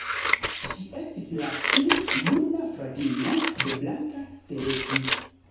Ŝi estis la pli juna fratino de Blanka Teleki.